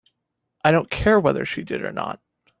I don't care whether she did or not.